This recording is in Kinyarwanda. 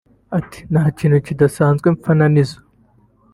Ati “Nta kintu kidasanzwe mfa na Nizzo